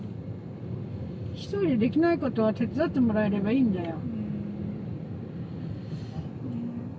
ひとりでできないことは手伝ってもらえればいいんだよ。